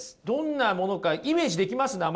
どんなものかイメージできます？